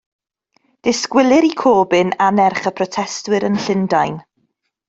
Disgwylir i Corbyn annerch y protestwyr yn Llundain.